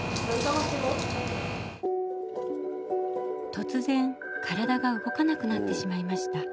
とつぜん体が動かなくなってしまいました。